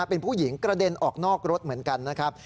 เป็นผู้หญิงกระเด็นออกนอกรถเหมือนกันนะครับ